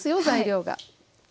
材料が。